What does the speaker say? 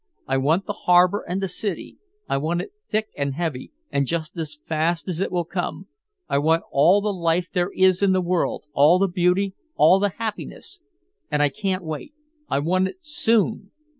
"I want the harbor and the city I want it thick and heavy, and just as fast as it will come. I want all the life there is in the world all the beauty all the happiness! And I can't wait I want it soon!"